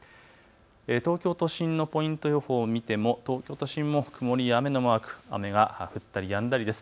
東京都心のポイント予報を見ても東京都心も曇りや雨のマーク、雨が降ったりやんだりです。